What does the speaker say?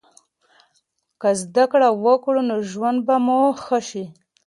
که زده کړه وکړو نو ژوند به مو ښه سي.